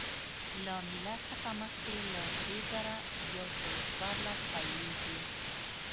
له میلاد څخه مخکې له درې زره یو سل څوارلس پیلېږي